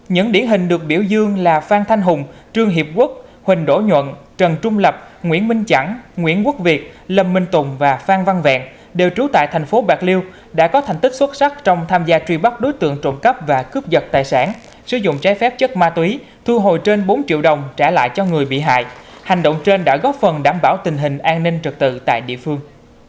những điển hình được biểu dương là phan thanh hùng trương hiệp quốc huỳnh đỗ nhuận trần trung lập nguyễn minh chẳng nguyễn quốc việt lâm minh tùng và phan văn vẹn đều trú tại thành phố bạc liêu đã có thành tích xuất sắc trong tham gia truy bắt đối tượng trộm cắp và cướp giật tài sản sử dụng trái phép chất ma túy thu hồi trên bốn triệu đồng trả lại cho người bị hại hành động trên đã góp phần đảm bảo tình hình an ninh trật tự tại địa phương